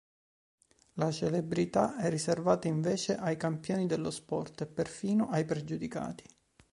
La celebrità è riservata invece ai campioni dello sport e perfino ai pregiudicati.